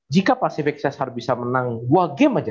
jika pasifik cesar bisa menang dua game aja